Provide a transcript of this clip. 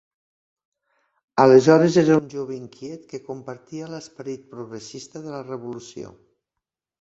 Aleshores era un jove inquiet que compartia l'esperit progressista de la Revolució.